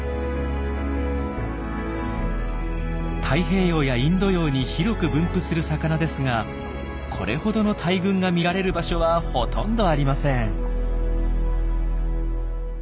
太平洋やインド洋に広く分布する魚ですがこれほどの大群が見られる場所はほとんどありません。